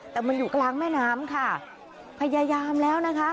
แต่มันอยู่กลางแม่น้ำค่ะพยายามแล้วนะคะ